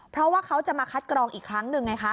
เพราะว่าเขาจะมาคัดกรองอีกครั้งหนึ่งไงคะ